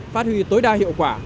phát huy tối đa hiệu quả